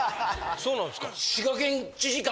そうなんですか？